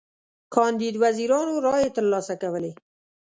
کاندید وزیرانو رایی تر لاسه کولې.